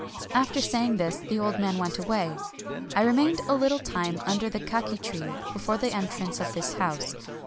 After saying this, the old man went away. I remained a little time under the kaki tree before the entrance of this house.